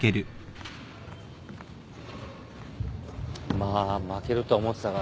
まあ負けるとは思ってたが。